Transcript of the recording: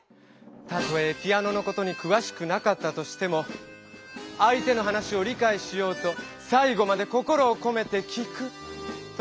たとえピアノのことにくわしくなかったとしても相手の話を理かいしようとさい後まで心をこめて聞くというのが大切なんだね。